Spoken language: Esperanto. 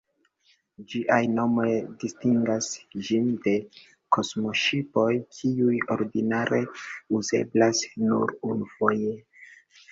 Ĝiaj nomoj distingas ĝin de kosmoŝipoj, kiuj ordinare uzeblas nur unufoje.